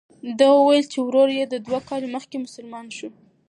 ده وویل چې ورور یې دوه کاله مخکې مسلمان شو.